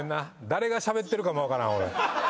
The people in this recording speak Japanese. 誰がしゃべってるかも分からん俺。